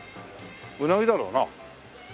うなぎだろうな。